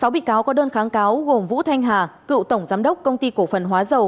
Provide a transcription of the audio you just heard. sáu bị cáo có đơn kháng cáo gồm vũ thanh hà cựu tổng giám đốc công ty cổ phần hóa dầu